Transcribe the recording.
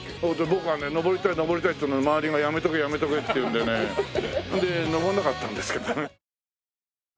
僕がね上りたい上りたいって言うのに周りがやめとけやめとけって言うのでねで上んなかったんですけどね。